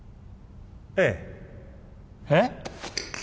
えええっ？